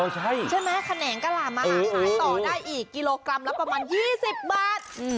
ใช่ไหมแขนงกะหลามมาหาขายต่อได้อีกกิโลกรัมละประมาณ๒๐บาท